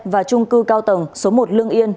và trung cư cao tầng số một lương yên